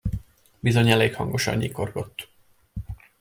Bizony elég hangosan nyikorgott!